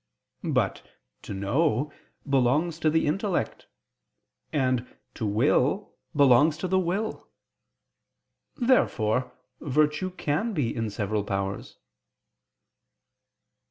But "to know" belongs to the intellect, and "to will" belongs to the will. Therefore virtue can be in several powers.